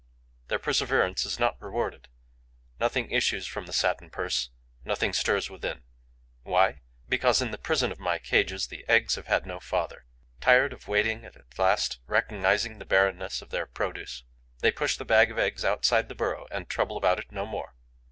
Their perseverance is not rewarded: nothing issues from the satin purse; nothing stirs within. Why? Because, in the prison of my cages, the eggs have had no father. Tired of waiting and at last recognizing the barrenness of their produce, they push the bag of eggs outside the burrow and trouble about it no more.